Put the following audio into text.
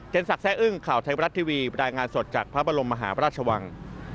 สักแซ่อึ้งข่าวไทยบรัฐทีวีรายงานสดจากพระบรมมหาพระราชวัง